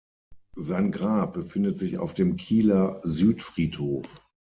Sein Grab befindet sich auf dem Kieler Südfriedhof.